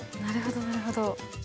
なるほどなるほど。